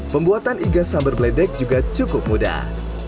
pembuatan iga sambar bledek juga cukup mudah